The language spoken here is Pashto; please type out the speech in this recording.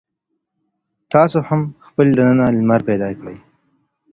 تاسې هم خپل دننه لمر پیدا کړئ.